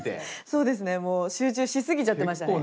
そうですねもう集中しすぎちゃってましたね。